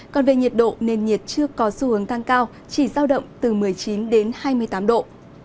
còn về nhiệt độ nền nhiệt chưa có xu hướng tăng cao chỉ giao động từ một mươi chín đến hai mươi tám độ